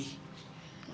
bukan kamu sedih